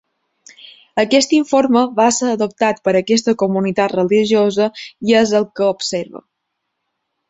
Aquest informe va ser adoptat per aquesta comunitat religiosa i és el que observa.